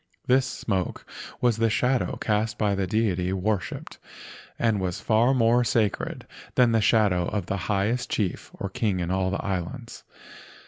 This smoke was the shadow cast by the deity worshipped, and was far more sacred than the shadow of the highest chief or king in all the islands.